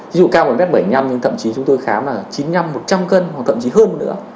ví dụ cao một m bảy mươi năm nhưng thậm chí chúng tôi khám là chín mươi năm một trăm linh cân hoặc thậm chí hơn nữa